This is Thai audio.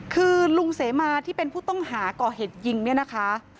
คือลุงเสมาที่เป็นผู้ต้องหาก่อเหตุยิงเนี่ยนะคะ